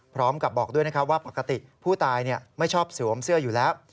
พร้อมกับบอกด้วยนะครับว่าปกติผู้ตายไม่ชอบสวมเสื้ออยู่แล้ว